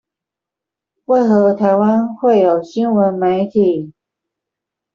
為何台灣會有新聞媒體